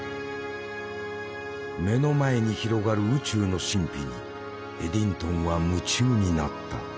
目の前に広がる宇宙の神秘にエディントンは夢中になった。